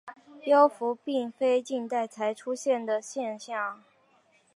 幽浮并非近代才出现的现象。